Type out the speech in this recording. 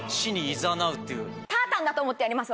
タータンだと思ってやります